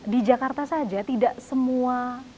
di jakarta saja tidak semua